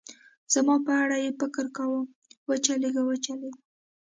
زما په اړه یې فکر کاوه، و چلېږه، و چلېږه.